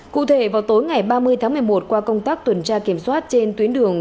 cụ thể vào tối ngày ba mươi tháng một mươi một qua công tác tuần tra kiểm soát trên tuyến đường